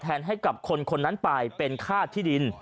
ท่านพรุ่งนี้ไม่แน่ครับ